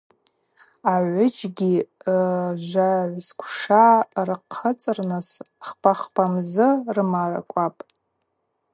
Агӏвыджьгьи жвагӏсквша рхъыцӏырныс хпа-хпа мзы рымаркӏвапӏ.